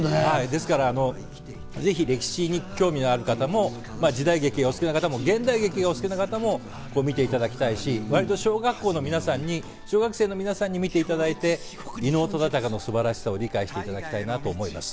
ですからぜひ歴史に興味がある方も時代劇がお好きな方も現代劇がお好きな方も見ていただきたいし、小学校の皆さんに小学生の皆さんに見ていただいて伊能忠敬の素晴らしさを理解していただきたいなと思っています。